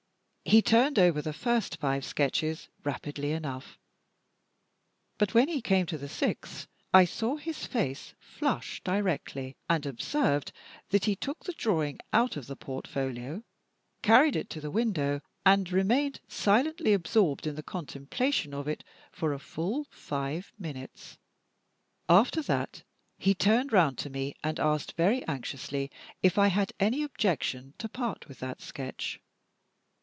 He turned over the first five sketches rapidly enough; but when he came to the sixth, I saw his face flush directly, and observed that he took the drawing out of the portfolio, carried it to the window, and remained silently absorbed in the contemplation of it for full five minutes. After that, he turned round to me, and asked very anxiously if I had any objection to part with that sketch.